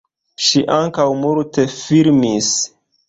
Ŝi ankaŭ multe filmis.